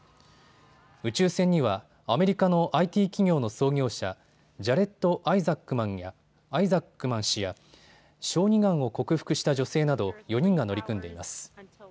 宇宙船にはアメリカのＩＴ企業の創業者、ジャレッド・アイザックマン氏や小児がんを克服した女性など４人が乗り組んでいます。